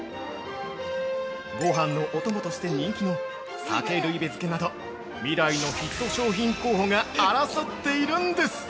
ごはんのお供として人気の「鮭ルイベ漬け」など未来のヒット商品候補が争っているんです！